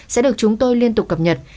sẽ được chúng tôi liên tục cập nhật